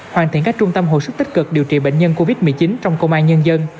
hoàn thiện các trung tâm hồi sức tích cực điều trị bệnh nhân covid một mươi chín trong công an nhân dân